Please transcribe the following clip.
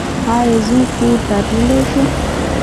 ایا زه کور ته تللی شم؟